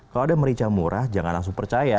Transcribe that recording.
kalau ada merica murah jangan langsung percaya